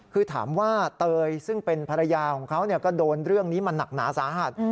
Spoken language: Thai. คือถามว่าเตยซึ่งเป็นภรรยาของเขาก็โดนเรื่องนี้มาหนักหนาสาหัส